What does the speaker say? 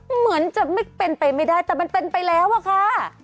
เหมือนจะไม่เป็นไปไม่ได้แต่มันเป็นไปแล้วอะค่ะ